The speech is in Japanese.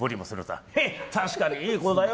へ、確かにいい子だよ